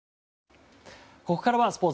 ここからはスポーツ。